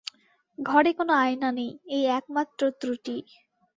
ঘরে কোনো আয়না নেই-এই একমাত্র ত্রুটি।